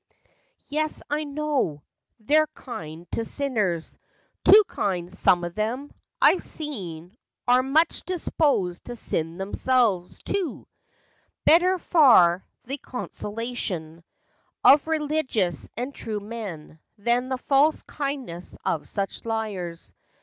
"Yes, I know; they're kind to sinners, Too kind, some of them, I 've seen, are— Much disposed to sin themselves, too. Better far the consolation 76 FACTS AND FANCIES. Of religious and true men, than The false kindness of such liars!